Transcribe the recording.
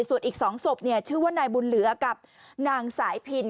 ส่วนอีก๒ศพชื่อว่านายบุญเหลือกับนางสายพิน